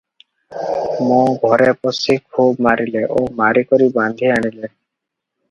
ମୋ ଘରେ ପଶି ଖୁବ୍ ମାରିଲେ ଓ ମାରି କରି ବାନ୍ଧି ଆଣିଲେ ।